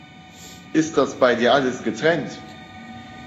Ist das bei dir alles getrennt?